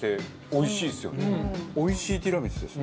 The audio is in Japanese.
おいしいティラミスです。